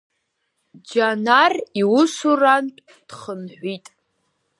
Џьанар иусурантә дхынҳәит.